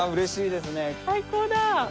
最高だ！